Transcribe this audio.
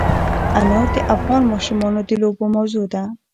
انار د افغان ماشومانو د لوبو موضوع ده.